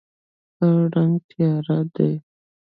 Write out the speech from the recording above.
خړ رنګ تیاره دی.